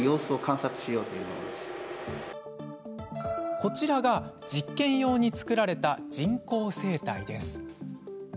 こちらが実験用に作られた人工声帯です。